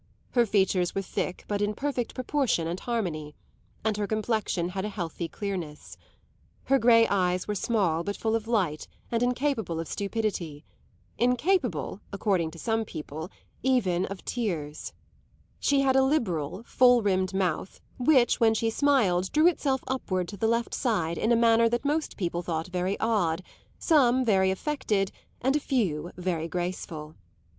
Her features were thick but in perfect proportion and harmony, and her complexion had a healthy clearness. Her grey eyes were small but full of light and incapable of stupidity incapable, according to some people, even of tears; she had a liberal, full rimmed mouth which when she smiled drew itself upward to the left side in a manner that most people thought very odd, some very affected and a few very graceful.